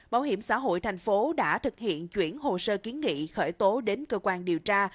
bảo hiểm xã hội thành phố đã thực hiện chuyển hồ sơ kiến nghị khởi tố đến cơ quan điều tra